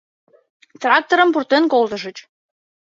Тракторым пуртен колтышыч...